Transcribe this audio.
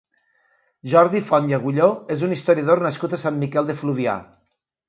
Jordi Font i Agulló és un historiador nascut a Sant Miquel de Fluvià.